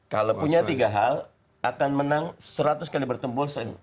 kalau punya tiga hal akan menang seratus kali bertempur sering